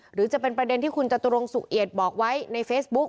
หรือจะเป็นประเด็นที่คุณจตุรงสุเอียดบอกไว้ในเฟซบุ๊ก